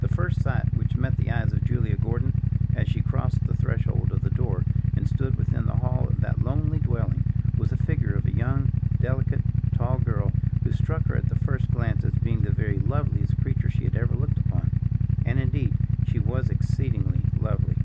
The first sight which met the eyes of Julia Gordon, as she crossed the threshold of the door, and stood within the hall of that lonely dwelling, was the figure of a young, delicate, tall girl, who struck her, at the first glance, as being the very loveliest creature she had ever looked upon. And indeed she was exceedingly lovely.